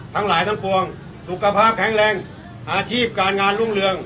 ทั้งหลายทั้งปวงสุขภาพแข็งแรงอาชีพการงานรุ่งเรือง